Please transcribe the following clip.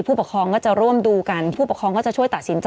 ผู้ปกครองก็จะร่วมดูกันผู้ปกครองก็จะช่วยตัดสินใจ